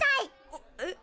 あっえっ。